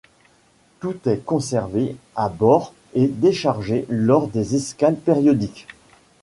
Tout est conservé à bord et déchargé lors des escales périodiques.